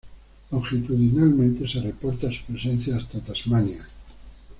Longitudinalmente se reporta su presencia hasta Tasmania.